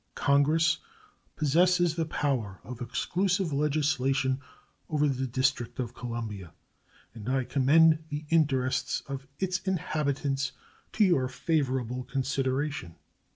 Congress possess the power of exclusive legislation over the District of Columbia, and I commend the interests of its inhabitants to your favorable consideration.